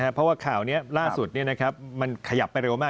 เพราะว่าข่าวนี้ล่าสุดมันขยับไปเร็วมาก